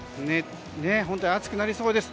本当に暑くなりそうです。